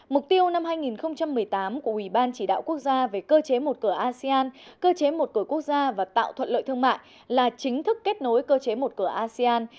mục tiêu năm hai nghìn một mươi tám của ủy ban chỉ đạo quốc gia về cơ chế một cửa asean cơ chế một cửa quốc gia và tạo thuận lợi thương mại là chính thức kết nối cơ chế một cửa asean